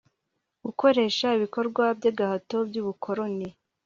gukoresha ibikorwa by'agahato by'ubukoloni